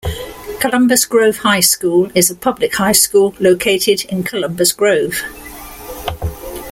Columbus Grove High School is a public high school located in Columbus Grove.